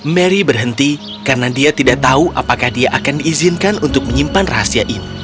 mary berhenti karena dia tidak tahu apakah dia akan diizinkan untuk menyimpan rahasia ini